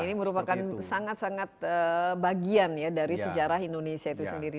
ini merupakan sangat sangat bagian ya dari sejarah indonesia itu sendiri